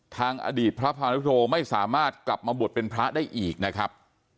ทางอดีตพระพานุโธไม่สามารถกลับมาบวชเป็นพระได้อีกนะครับ